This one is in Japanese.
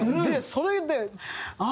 それで。